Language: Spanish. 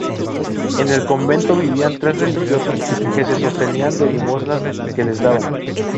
En el convento vivían tres religiosos que se sostenían de limosnas que les daban.